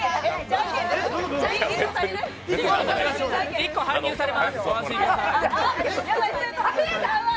１個搬入されます。